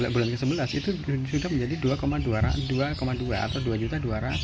bulan ke sebelas itu sudah menjadi dua dua atau dua dua ratus